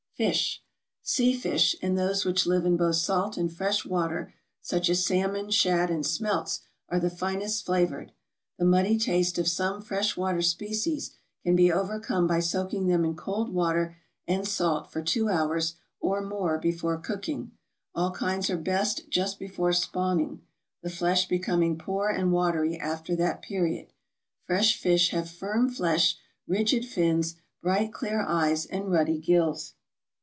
=Fish.= Sea fish, and those which live in both salt and fresh water, such as salmon, shad, and smelts, are the finest flavored; the muddy taste of some fresh water species can be overcome by soaking them in cold water and salt for two hours or more before cooking; all kinds are best just before spawning, the flesh becoming poor and watery after that period. Fresh fish have firm flesh, rigid fins, bright, clear eyes, and ruddy gills.